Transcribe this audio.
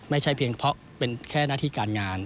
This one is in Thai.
ไม่ใช่เพียงเพราะเป็นแค่หน้าที่การงาน